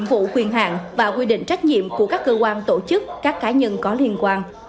phụ khuyên hạng và quy định trách nhiệm của các cơ quan tổ chức các cá nhân có liên quan